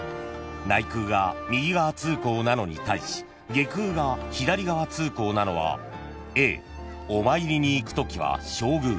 ［内宮が右側通行なのに対し外宮が左側通行なのはＡお参りに行くときは正宮